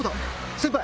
先輩